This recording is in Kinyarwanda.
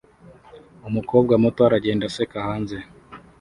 Umukobwa muto aragenda aseka hanze